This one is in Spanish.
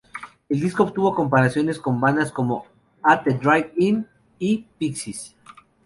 El disco obtuvo comparaciones con bandas como At the Drive-In y Pixies.